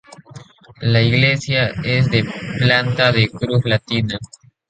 La iglesia es de planta de cruz latina.